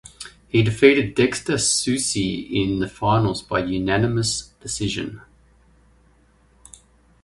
He defeated Dexter Suisse in the finals by unanimous decision.